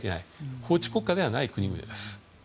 法治国家ではない国々です。